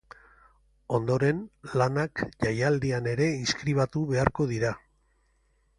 Ondoren, lanak jaialdian ere inskribatu beharko dira.